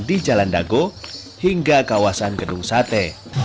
di jalan dago hingga kawasan gedung sate